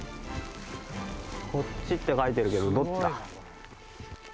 こっちって書いてるけどどっちだ？